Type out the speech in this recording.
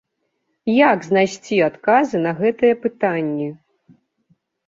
Як знайсці адказы на гэтыя пытанні?